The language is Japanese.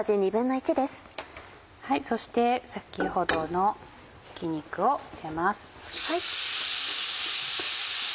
そして先ほどのひき肉を入れます。